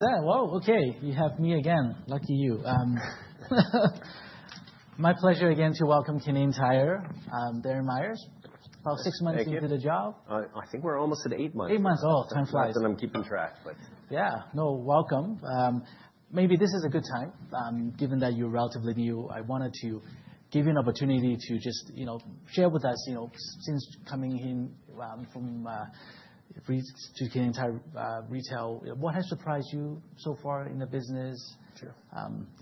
Hello. Okay, you have me again. Lucky you. My pleasure again to welcome Canadian Tire Darren Myers. About six months into the job. I think we're almost at eight months. Eight months. Oh, time flies. That's what I'm keeping track. Yeah. No, welcome. Maybe this is a good time, given that you're relatively new. I wanted to give you an opportunity to just share with us, since coming here from Canadian Tire Retail, what has surprised you so far in the business? If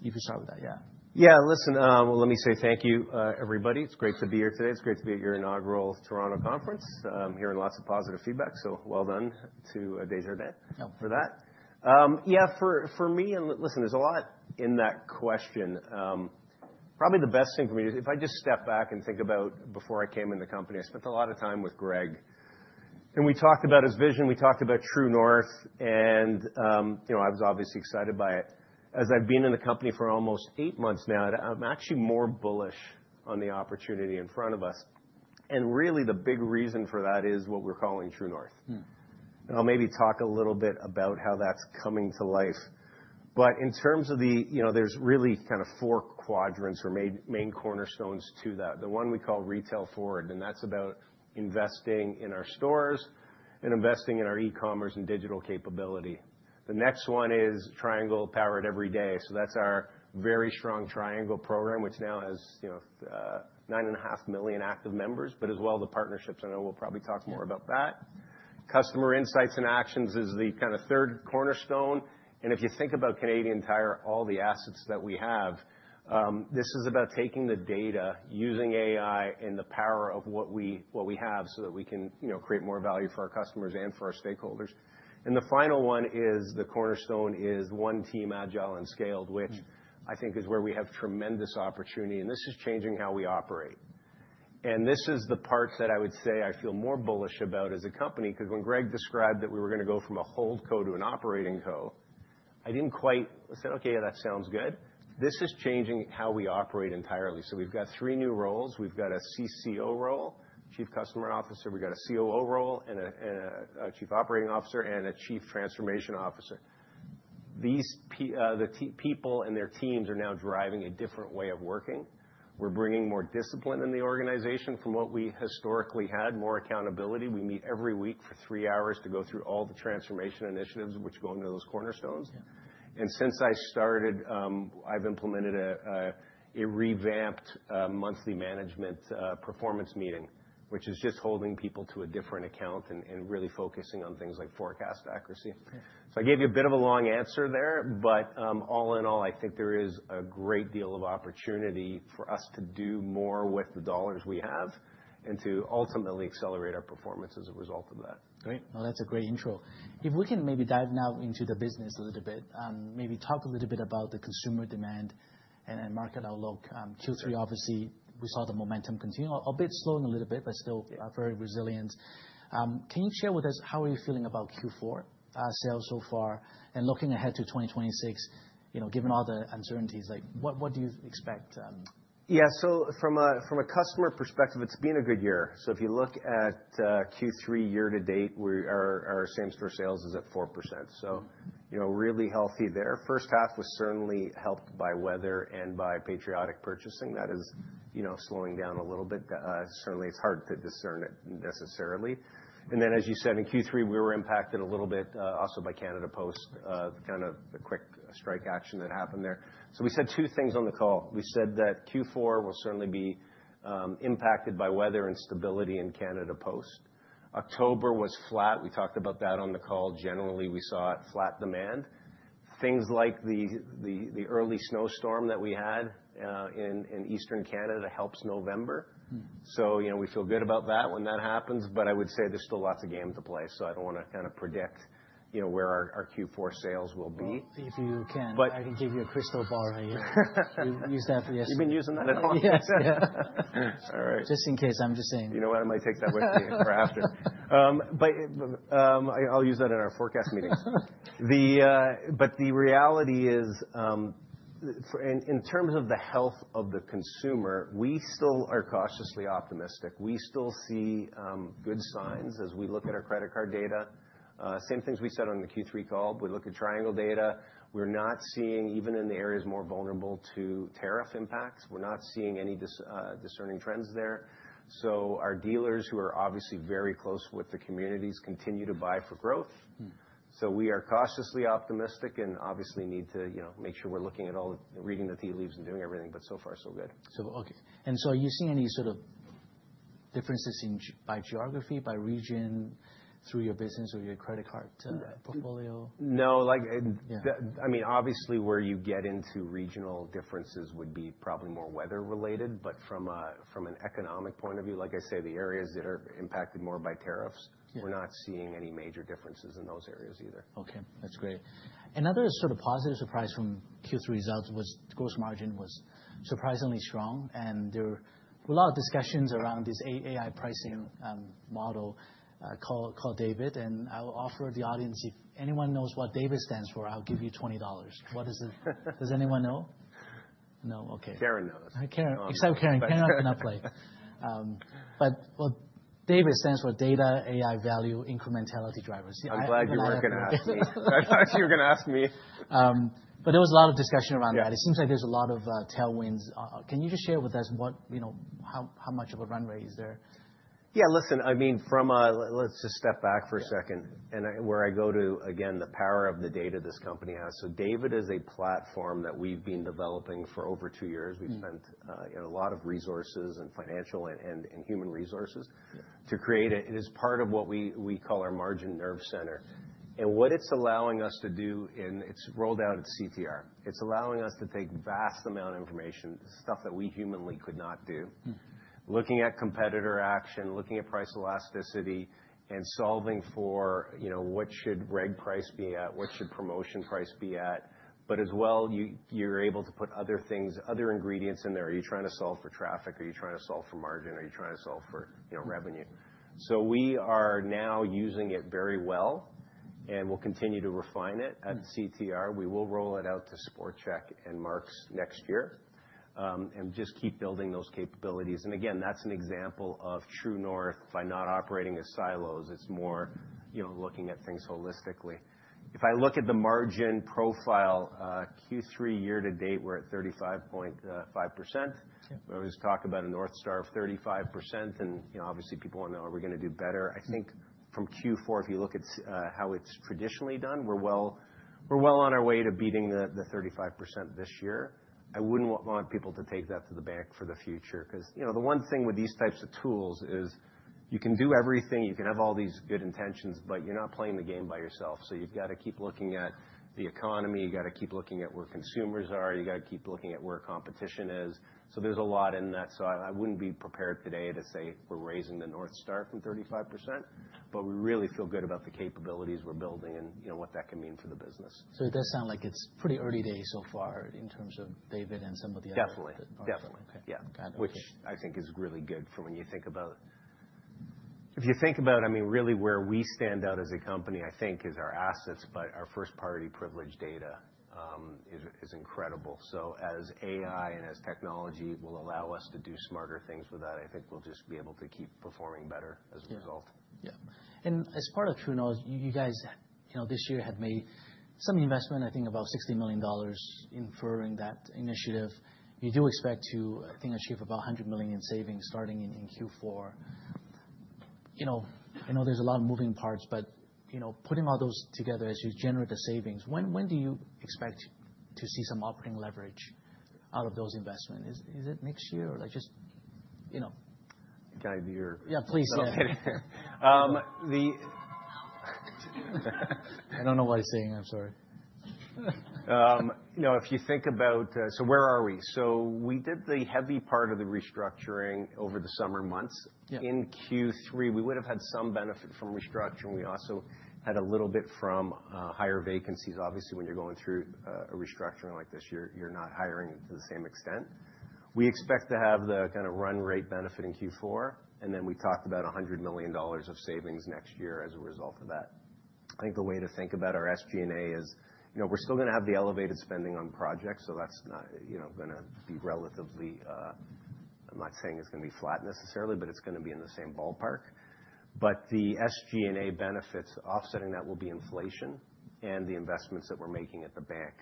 you start with that, yeah. Yeah. Listen, well, let me say thank you, everybody. It's great to be here today. It's great to be at your inaugural Toronto conference. I'm hearing lots of positive feedback, so well done to Desjardins for that. Yeah, for me, and listen, there's a lot in that question. Probably the best thing for me to do, if I just step back and think about before I came into the company, I spent a lot of time with Greg. And we talked about his vision. We talked about True North. And I was obviously excited by it. As I've been in the company for almost eight months now, I'm actually more bullish on the opportunity in front of us. And really, the big reason for that is what we're calling True North. And I'll maybe talk a little bit about how that's coming to life. But in terms of the, there's really kind of four quadrants or main cornerstones to that. The one we call Retail Forward, and that's about investing in our stores and investing in our e-commerce and digital capability. The next one is Triangle Powered Every Day. So that's our very strong Triangle program, which now has 9.5 million active members, but as well the partnerships. I know we'll probably talk more about that. Customer Insights and Actions is the kind of third cornerstone. And if you think about Canadian Tire, all the assets that we have, this is about taking the data, using AI, and the power of what we have so that we can create more value for our customers and for our stakeholders. And the final one is the cornerstone one team agile and scaled, which I think is where we have tremendous opportunity. This is changing how we operate. This is the part that I would say I feel more bullish about as a company, because when Greg described that we were going to go from a hold co to an operating co, I didn't quite say, okay, yeah, that sounds good. This is changing how we operate entirely. We've got three new roles. We've got a CCO role, Chief Customer Officer. We've got a COO role, and a Chief Operating Officer, and a Chief Transformation Officer. The people and their teams are now driving a different way of working. We're bringing more discipline in the organization from what we historically had, more accountability. We meet every week for three hours to go through all the transformation initiatives which go into those cornerstones. And since I started, I've implemented a revamped monthly management performance meeting, which is just holding people to a different account and really focusing on things like forecast accuracy. So I gave you a bit of a long answer there, but all in all, I think there is a great deal of opportunity for us to do more with the dollars we have and to ultimately accelerate our performance as a result of that. Great. Well, that's a great intro. If we can maybe dive now into the business a little bit, maybe talk a little bit about the consumer demand and market outlook. Q3, obviously, we saw the momentum continue, a bit slowing a little bit, but still very resilient. Can you share with us how are you feeling about Q4 sales so far? And looking ahead to 2026, given all the uncertainties, what do you expect? Yeah, so from a customer perspective, it's been a good year. So if you look at Q3 year to date, our same store sales is at 4%. So really healthy there. First half was certainly helped by weather and by patriotic purchasing. That is slowing down a little bit. Certainly, it's hard to discern it necessarily. And then, as you said, in Q3, we were impacted a little bit also by Canada Post, kind of the quick strike action that happened there. So we said two things on the call. We said that Q4 will certainly be impacted by weather and stability in Canada Post. October was flat. We talked about that on the call. Generally, we saw flat demand. Things like the early snowstorm that we had in Eastern Canada helps November. So we feel good about that when that happens. But I would say there's still lots of game to play. So I don't want to kind of predict where our Q4 sales will be. If you can, I can give you a crystal ball right here. You've used that for yesterday. You've been using that at home? Yes. All right. Just in case, I'm just saying. You know what? I might take that with me for after. But I'll use that in our forecast meetings. But the reality is, in terms of the health of the consumer, we still are cautiously optimistic. We still see good signs as we look at our credit card data. Same things we said on the Q3 call. We look at Triangle data. We're not seeing, even in the areas more vulnerable to tariff impacts, we're not seeing any discerning trends there. So our dealers, who are obviously very close with the communities, continue to buy for growth. So we are cautiously optimistic and obviously need to make sure we're looking at all, reading the tea leaves and doing everything. But so far, so good. Okay, and so are you seeing any sort of differences by geography, by region, through your business or your credit card portfolio? No. I mean, obviously, where you get into regional differences would be probably more weather related. But from an economic point of view, like I say, the areas that are impacted more by tariffs, we're not seeing any major differences in those areas either. Okay. That's great. Another sort of positive surprise from Q3 results was gross margin was surprisingly strong. And there were a lot of discussions around this AI pricing model called David. And I'll offer the audience, if anyone knows what David stands for, I'll give you 20 dollars. Does anyone know? No? Okay. Karen knows. Karen, except Karen. Karen does not play. But David stands for Data, AI, Value, Incrementality Drivers. I'm glad you weren't going to ask me. I thought you were going to ask me. There was a lot of discussion around that. It seems like there's a lot of tailwinds. Can you just share with us how much of a runway is there? Yeah, listen, I mean, let's just step back for a second. Where I go to, again, the power of the data this company has. David is a platform that we've been developing for over two years. We've spent a lot of resources and financial and human resources to create it. It is part of what we call our margin nerve center. What it's allowing us to do, and it's rolled out at CTR, it's allowing us to take vast amount of information, stuff that we humanly could not do, looking at competitor action, looking at price elasticity, and solving for what should reg price be at, what should promotion price be at. As well, you're able to put other things, other ingredients in there. Are you trying to solve for traffic? Are you trying to solve for margin? Are you trying to solve for revenue? So we are now using it very well and will continue to refine it at CTR. We will roll it out to SportChek and Mark's next year and just keep building those capabilities. And again, that's an example of True North by not operating as silos. It's more looking at things holistically. If I look at the margin profile, Q3 year to date, we're at 35.5%. We always talk about a North Star of 35%. And obviously, people want to know, are we going to do better? I think from Q4, if you look at how it's traditionally done, we're well on our way to beating the 35% this year. I wouldn't want people to take that to the bank for the future. Because the one thing with these types of tools is you can do everything. You can have all these good intentions, but you're not playing the game by yourself. So you've got to keep looking at the economy. You've got to keep looking at where consumers are. You've got to keep looking at where competition is. So there's a lot in that. So I wouldn't be prepared today to say we're raising the True North from 35%, but we really feel good about the capabilities we're building and what that can mean for the business. So it does sound like it's pretty early day so far in terms of David and some of the others. Definitely. Definitely. Yeah. Which I think is really good for when you think about, if you think about, I mean, really where we stand out as a company, I think, is our assets, but our first-party data is incredible. So as AI and as technology will allow us to do smarter things with that, I think we'll just be able to keep performing better as a result. Yeah. And as part of True North, you guys this year have made some investment, I think, about 60 million dollars in furthering that initiative. You do expect to, I think, achieve about 100 million in savings starting in Q4. I know there's a lot of moving parts, but putting all those together as you generate the savings, when do you expect to see some operating leverage out of those investments? Is it next year or just? Can I be your? Yeah, please. Okay. I don't know what he's saying. I'm sorry. If you think about, so where are we? We did the heavy part of the restructuring over the summer months. In Q3, we would have had some benefit from restructuring. We also had a little bit from higher vacancies. Obviously, when you're going through a restructuring like this, you're not hiring to the same extent. We expect to have the kind of run rate benefit in Q4. And then we talked about 100 million dollars of savings next year as a result of that. I think the way to think about our SG&A is we're still going to have the elevated spending on projects. So that's going to be relatively, I'm not saying it's going to be flat necessarily, but it's going to be in the same ballpark. But the SG&A benefits offsetting that will be inflation and the investments that we're making at the bank.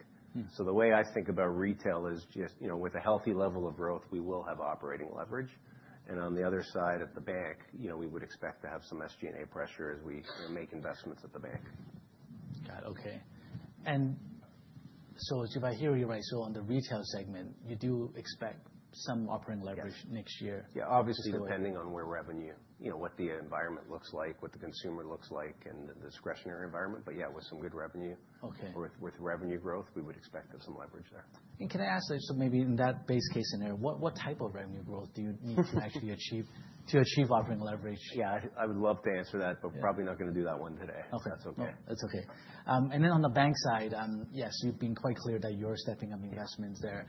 So the way I think about retail is just with a healthy level of growth, we will have operating leverage. And on the other side at the bank, we would expect to have some SG&A pressure as we make investments at the bank. Got it. Okay. And so if I hear you right, so on the retail segment, you do expect some operating leverage next year. Yeah, obviously, depending on where revenue, what the environment looks like, what the consumer looks like, and the discretionary environment. But yeah, with some good revenue, with revenue growth, we would expect some leverage there. Can I ask, so maybe in that base case scenario, what type of revenue growth do you need to actually achieve to achieve operating leverage? Yeah, I would love to answer that, but probably not going to do that one today, if that's okay. That's okay. And then on the bank side, yes, you've been quite clear that you're stepping up investments there.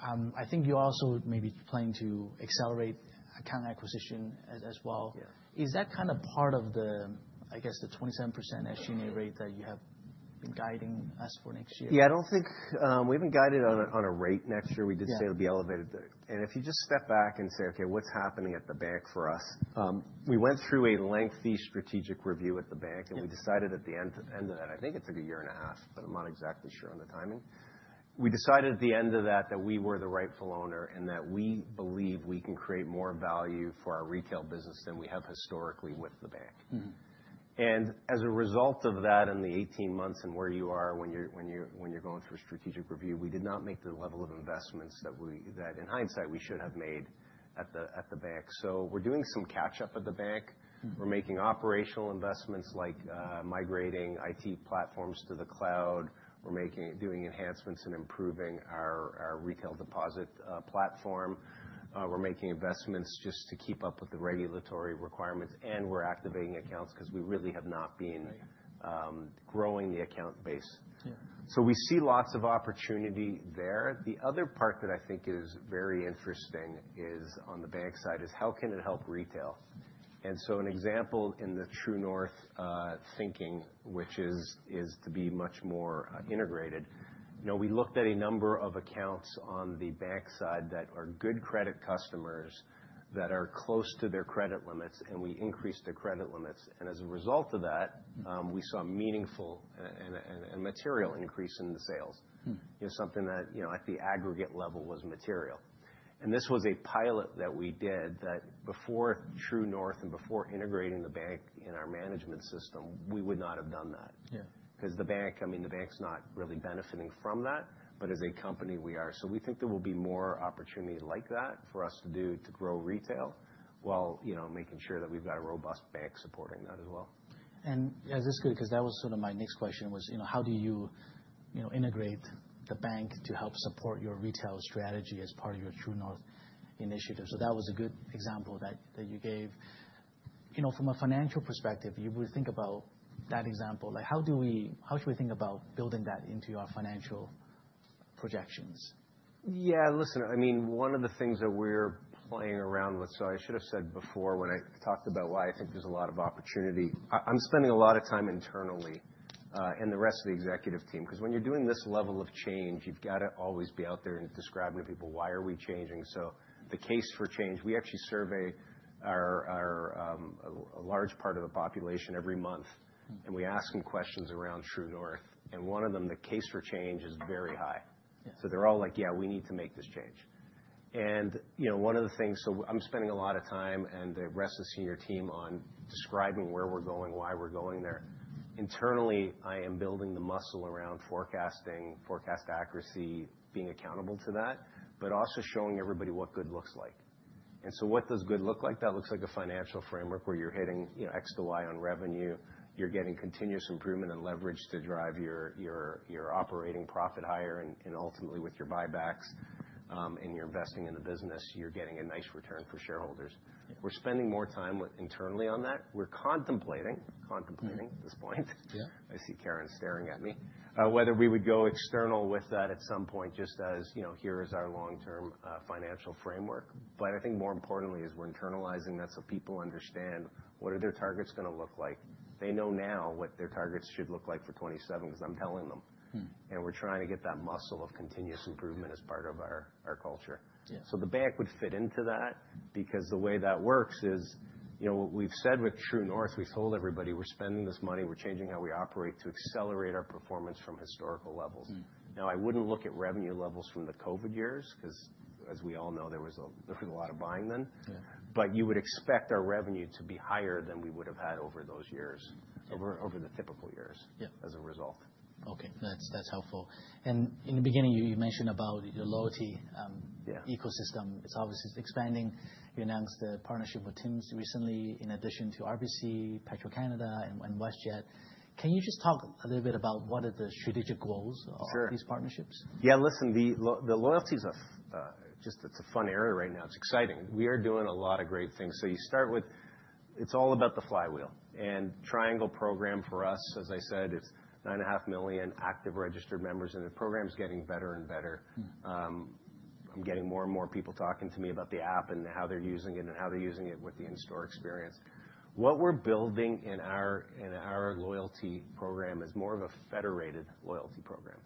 I think you're also maybe planning to accelerate account acquisition as well. Is that kind of part of the, I guess, the 27% SG&A rate that you have been guiding us for next year? Yeah, I don't think we haven't guided on a rate next year. We did say it'll be elevated, and if you just step back and say, okay, what's happening at the bank for us? We went through a lengthy strategic review at the bank, and we decided at the end of that. I think it took a year and a half, but I'm not exactly sure on the timing. We decided at the end of that that we were the rightful owner and that we believe we can create more value for our retail business than we have historically with the bank, and as a result of that, in the 18 months and where you are when you're going through a strategic review, we did not make the level of investments that, in hindsight, we should have made at the bank, so we're doing some catch-up at the bank. We're making operational investments like migrating IT platforms to the cloud. We're doing enhancements and improving our retail deposit platform. We're making investments just to keep up with the regulatory requirements. And we're activating accounts because we really have not been growing the account base. So we see lots of opportunity there. The other part that I think is very interesting on the bank side is how can it help retail? And so an example in the True North thinking, which is to be much more integrated, we looked at a number of accounts on the bank side that are good credit customers that are close to their credit limits, and we increased their credit limits. And as a result of that, we saw meaningful and material increase in the sales, something that at the aggregate level was material. This was a pilot that we did that before True North and before integrating the bank in our management system, we would not have done that. Because the bank, I mean, the bank's not really benefiting from that, but as a company, we are. We think there will be more opportunity like that for us to do to grow retail while making sure that we've got a robust bank supporting that as well. And this is good because that was sort of my next question was how do you integrate the bank to help support your retail strategy as part of your True North initiative? So that was a good example that you gave. From a financial perspective, you would think about that example. How should we think about building that into our financial projections? Yeah, listen. I mean, one of the things that we're playing around with, so I should have said before when I talked about why I think there's a lot of opportunity. I'm spending a lot of time internally and the rest of the executive team. Because when you're doing this level of change, you've got to always be out there and describing to people, why are we changing? So the case for change, we actually survey a large part of the population every month, and we ask them questions around True North. And one of them, the case for change is very high. So they're all like, yeah, we need to make this change. And one of the things, so I'm spending a lot of time and the rest of the senior team on describing where we're going, why we're going there. Internally, I am building the muscle around forecasting, forecast accuracy, being accountable to that, but also showing everybody what good looks like. And so what does good look like? That looks like a financial framework where you're hitting X to Y on revenue. You're getting continuous improvement and leverage to drive your operating profit higher. And ultimately, with your buybacks and your investing in the business, you're getting a nice return for shareholders. We're spending more time internally on that. We're contemplating at this point. I see Karen staring at me, whether we would go external with that at some point just as here is our long-term financial framework. But I think more importantly is we're internalizing that so people understand what are their targets going to look like. They know now what their targets should look like for 2027 because I'm telling them. We're trying to get that muscle of continuous improvement as part of our culture. The bank would fit into that because the way that works is what we've said with True North. We've told everybody we're spending this money. We're changing how we operate to accelerate our performance from historical levels. Now, I wouldn't look at revenue levels from the COVID years because as we all know, there was a lot of buying then. You would expect our revenue to be higher than we would have had over those years, over the typical years as a result. Okay. That's helpful. And in the beginning, you mentioned about your loyalty ecosystem. It's obviously expanding. You announced the partnership with Tim Hortons recently in addition to RBC, Petro-Canada, and WestJet. Can you just talk a little bit about what are the strategic goals of these partnerships? Yeah, listen, the loyalty space is just a fun area right now. It's exciting. We are doing a lot of great things. So you start with, it's all about the flywheel and Triangle program for us, as I said. It's 9.5 million active registered members. And the program's getting better and better. I'm getting more and more people talking to me about the app and how they're using it and how they're using it with the in-store experience. What we're building in our loyalty program is more of a federated loyalty program.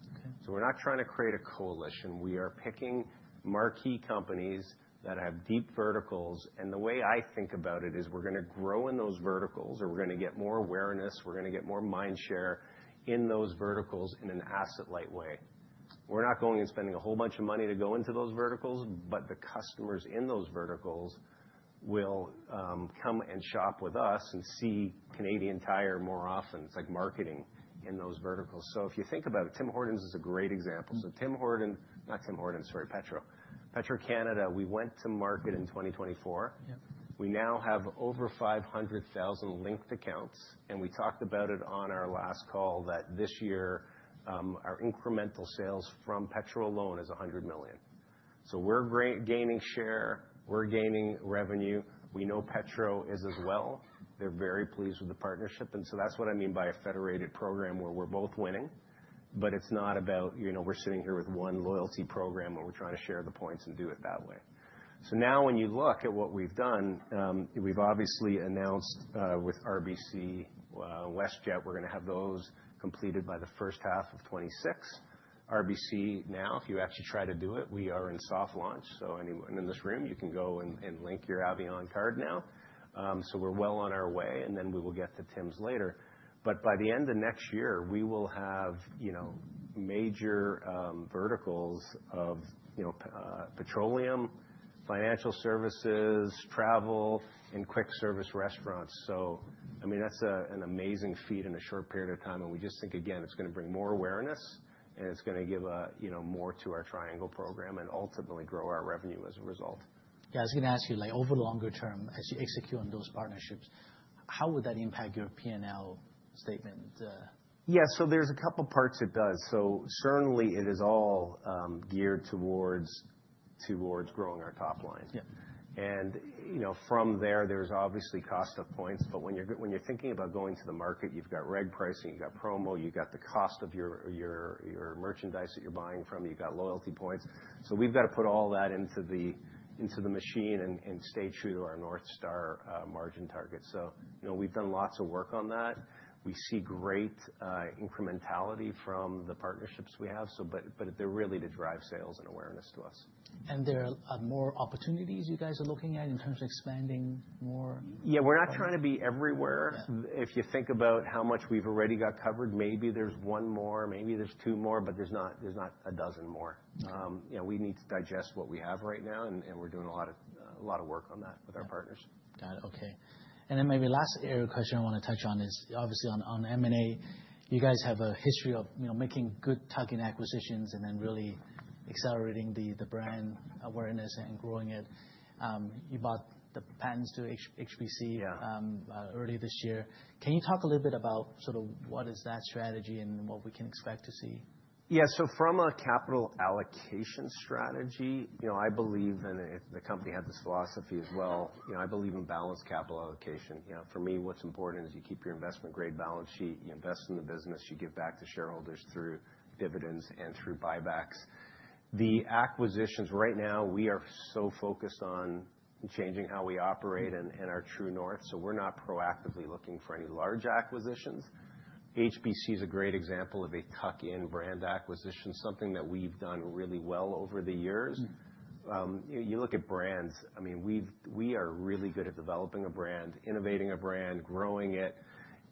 So we're not trying to create a coalition. We are picking marquee companies that have deep verticals. And the way I think about it is we're going to grow in those verticals or we're going to get more awareness. We're going to get more mind share in those verticals in an asset-light way. We're not going and spending a whole bunch of money to go into those verticals, but the customers in those verticals will come and shop with us and see Canadian Tire more often. It's like marketing in those verticals. So if you think about it, Tim Hortons is a great example. So Tim Horton, not Tim Hortons, sorry, Petro. Petro-Canada, we went to market in 2024. We now have over 500,000 linked accounts. And we talked about it on our last call that this year, our incremental sales from Petro alone is 100 million. So we're gaining share. We're gaining revenue. We know Petro is as well. They're very pleased with the partnership. And so that's what I mean by a federated program where we're both winning. But it's not about we're sitting here with one loyalty program where we're trying to share the points and do it that way. So now when you look at what we've done, we've obviously announced with RBC, WestJet, we're going to have those completed by the first half of 2026. RBC now, if you actually try to do it, we are in soft launch. So anyone in this room, you can go and link your Avion card now. So we're well on our way. And then we will get to Tim Hortons later. But by the end of next year, we will have major verticals of petroleum, financial services, travel, and quick service restaurants. So I mean, that's an amazing feat in a short period of time. And we just think, again, it's going to bring more awareness and it's going to give more to our Triangle program and ultimately grow our revenue as a result. Yeah, I was going to ask you, over the longer term, as you execute on those partnerships, how would that impact your P&L statement? Yeah, so there's a couple of parts it does. So certainly, it is all geared towards growing our top line. And from there, there's obviously cost of points. But when you're thinking about going to the market, you've got reg pricing, you've got promo, you've got the cost of your merchandise that you're buying from, you've got loyalty points. So we've got to put all that into the machine and stay true to our True North margin target. So we've done lots of work on that. We see great incrementality from the partnerships we have. But they're really to drive sales and awareness to us. There are more opportunities you guys are looking at in terms of expanding more? Yeah, we're not trying to be everywhere. If you think about how much we've already got covered, maybe there's one more, maybe there's two more, but there's not a dozen more. We need to digest what we have right now, and we're doing a lot of work on that with our partners. Got it. Okay. And then maybe last area of question I want to touch on is obviously on M&A. You guys have a history of making good tuck-in acquisitions and then really accelerating the brand awareness and growing it. You bought the assets of HBC early this year. Can you talk a little bit about sort of what is that strategy and what we can expect to see? Yeah, so from a capital allocation strategy, I believe, and the company had this philosophy as well. I believe in balanced capital allocation. For me, what's important is you keep your investment-grade balance sheet, you invest in the business, you give back to shareholders through dividends and through buybacks. The acquisitions right now, we are so focused on changing how we operate and our True North. So we're not proactively looking for any large acquisitions. HBC is a great example of a tuck-in brand acquisition, something that we've done really well over the years. You look at brands, I mean, we are really good at developing a brand, innovating a brand, growing it.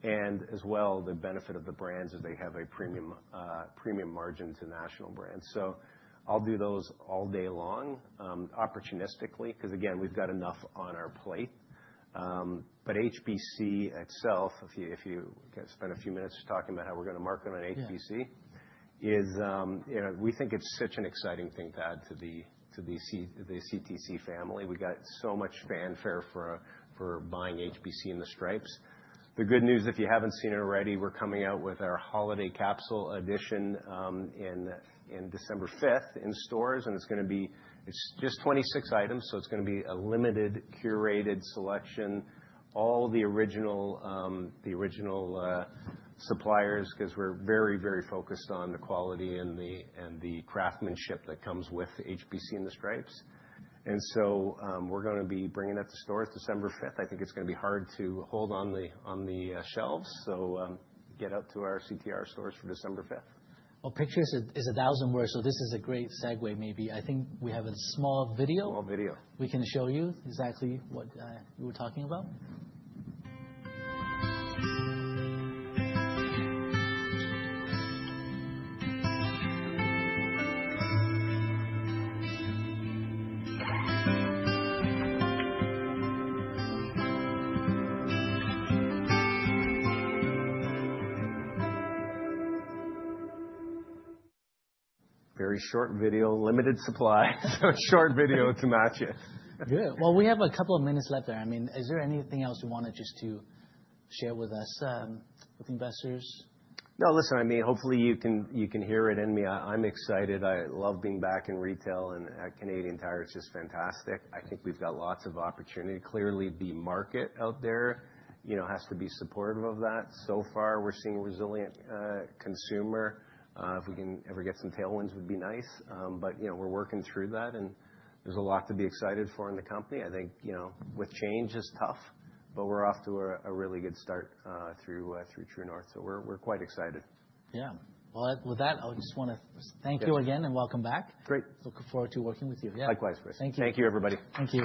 And as well, the benefit of the brands is they have a premium margin to national brands. So I'll do those all day long, opportunistically, because again, we've got enough on our plate. But HBC itself, if you spend a few minutes talking about how we're going to market on HBC, we think it's such an exciting thing to add to the CTC family. We got so much fanfare for buying HBC and the Stripes. The good news, if you haven't seen it already, we're coming out with our holiday capsule edition in December 5th in stores. And it's going to be just 26 items. So it's going to be a limited curated selection, all the original suppliers, because we're very, very focused on the quality and the craftsmanship that comes with HBC and the Stripes. And so we're going to be bringing it to stores December 5th. I think it's going to be hard to hold on the shelves. So get out to our CTR stores for December 5th. A picture is worth a thousand words. This is a great segue, maybe. I think we have a small video. Small video. We can show you exactly what you were talking about. Very short video, limited supply. Short video to match it. Good. Well, we have a couple of minutes left there. I mean, is there anything else you want to just share with us, with investors? No, listen, I mean, hopefully you can hear it in me. I'm excited. I love being back in retail, and Canadian Tire is just fantastic. I think we've got lots of opportunity. Clearly, the market out there has to be supportive of that. So far, we're seeing a resilient consumer. If we can ever get some tailwinds, it would be nice, but we're working through that, and there's a lot to be excited for in the company. I think with change is tough, but we're off to a really good start through True North, so we're quite excited. Yeah. Well, with that, I just want to thank you again and welcome back. Great. Looking forward to working with you. Yeah. Likewise, Chris. Thank you. Thank you, everybody. Thank you.